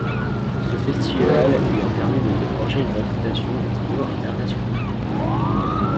Ce festival lui a permis de se forger une réputation au niveau international.